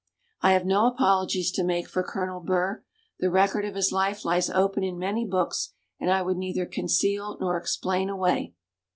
I have no apologies to make for Colonel Burr; the record of his life lies open in many books, and I would neither conceal nor explain away.